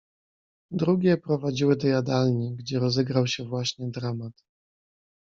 "Drugie prowadziły do jadalni, gdzie rozegrał się właśnie dramat."